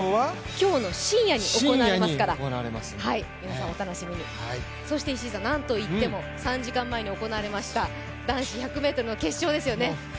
今日の深夜に行われますから皆さんお楽しみに、そして石井さん、なんといっても３時間前に行われた男子１００ｍの決勝ですよね。